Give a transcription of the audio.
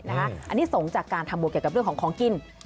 อันนี้สงฆ์จากการทำบุญเกี่ยวกับเรื่องของของกิน